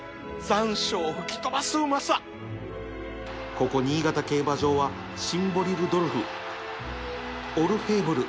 ここ新潟競馬場はシンボリルドルフオルフェーヴル